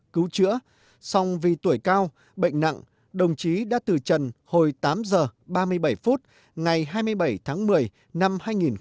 cứu chữa xong vì tuổi cao bệnh nặng đồng chí đã từ trần hồi tám giờ ba mươi bảy phút ngày hai mươi bảy tháng một mươi năm hai nghìn một mươi chín